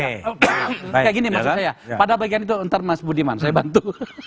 kayak gini maksud saya pada bagian itu ntar mas budiman saya bantu